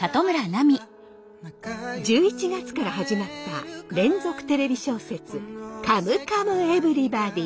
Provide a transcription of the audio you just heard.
１１月から始まった連続テレビ小説「カムカムエヴリバディ」。